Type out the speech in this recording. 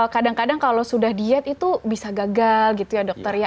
kadang kadang kalau sudah diet itu bisa gagal gitu ya dokter ya